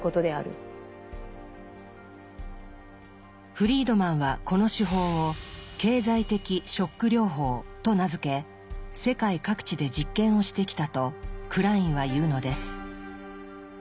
フリードマンはこの手法を「経済的ショック療法」と名付け世界各地で実験をしてきたとクラインは言うのです。